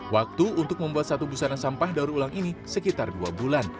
waktu untuk membuat satu busana sampah daur ulang ini sekitar dua bulan